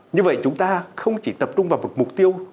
như vậy chúng ta không chỉ tập trung vào một mục tiêu